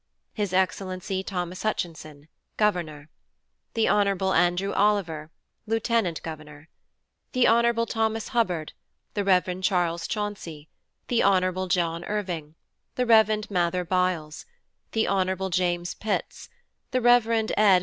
His Excellency THOMAS HUTCHINSON, Governor. The Hon. ANDREW OLIVER, Lieutenant Governor. The Hon. Thomas Hubbard, | The Rev. Charles Chauncey, D. D. The Hon. John Erving, | The Rev. Mather Byles, D. D. The Hon. James Pitts, | The Rev. Ed.